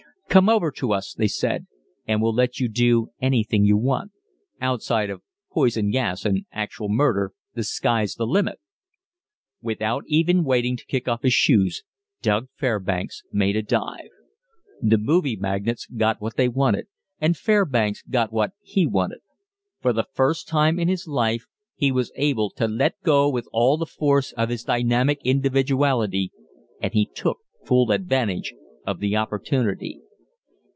"Come over to us," they said, "and we'll let you do anything you want. Outside of poison gas and actual murder, the sky's the limit." Without even waiting to kick off his shoes, "Doug" Fairbanks made a dive. The movie magnates got what they wanted, and Fairbanks got what he wanted. For the first time in his life he was able to "let go" with all the force of his dynamic individuality, and he took full advantage of the opportunity.